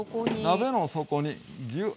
鍋の底にギュッ。